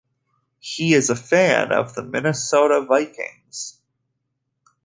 He is a fan of the Minnesota Vikings.